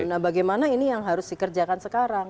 nah bagaimana ini yang harus dikerjakan sekarang